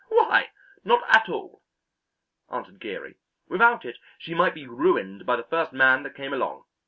"Why, not at all," answered Geary. "Without it she might be ruined by the first man that came along.